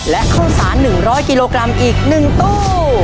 และโฆษณ์๑๐๐กิโลกรัมอีก๑ตู้